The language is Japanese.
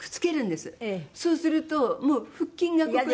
そうすると腹筋がここで。